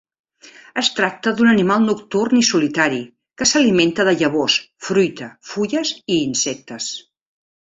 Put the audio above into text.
Es tracta d'un animal nocturn i solitari que s'alimenta de llavors, fruita, fulles i insectes.